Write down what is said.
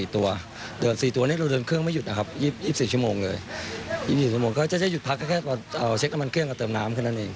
๔ตัวเราเดินเครื่องไม่หยุดนะครับ๒๔ชั่วโมงเลย๒๐๒๕ชั่วโมงก็จะหยุดพักแค่ตอนเช็คนามันเครื่องกับเติมน้ำ